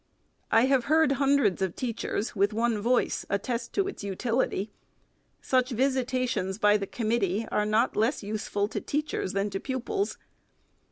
I have heard hundreds of teachers, with one voice, attest its utility. Such visi tations by the committee are not less useful to teachers than tp pupils.